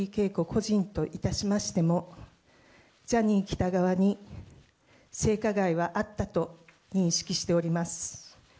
個人といたしましても、ジャニー喜多川に性加害はあったと認識しております。